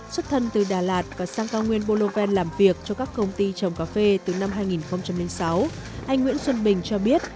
xuất thân từ đà lạt và sang cao nguyên boloven làm việc cho các công ty trồng cà phê từ năm hai nghìn sáu anh nguyễn xuân bình cho biết